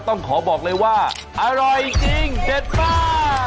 ต้องขอบอกเลยว่าอร่อยจริงเผ็ดมาก